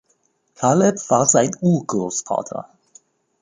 Caleb war sein Urgroßvater.